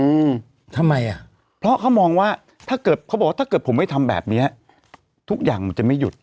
อืมทำไมอ่ะเพราะเขามองว่าถ้าเกิดเขาบอกว่าถ้าเกิดผมไม่ทำแบบเนี้ยทุกอย่างมันจะไม่หยุด